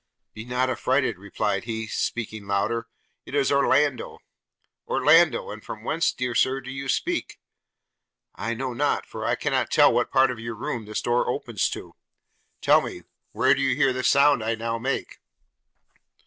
'Be not affrighted,' replied he, speaking louder, 'it is Orlando.' 'Orlando! and from whence, dear sir, do you speak?' 'I know not, for I cannot tell what part of your room this door opens to; tell me, where do you hear the sound I now make?'